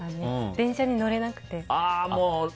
電車に乗れなくて。